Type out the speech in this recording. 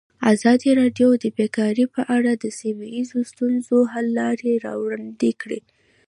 ازادي راډیو د بیکاري په اړه د سیمه ییزو ستونزو حل لارې راوړاندې کړې.